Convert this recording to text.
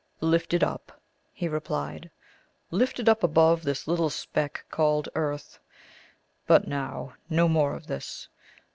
"Lifted up," he replied. "Lifted up above this little speck called earth. But now, no more of this.